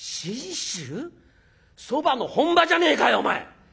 そばの本場じゃねえかよお前。